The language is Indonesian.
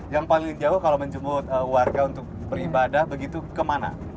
yang paling jauh kalau menjemur warga untuk beribadah begitu kemana